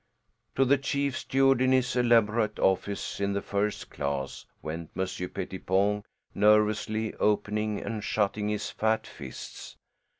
To the chief steward, in his elaborate office in the first class, went Monsieur Pettipon, nervously opening and shutting his fat fists.